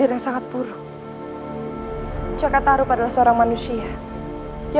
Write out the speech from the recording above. jeng ayu ini ada sedikit buah tangan dari saya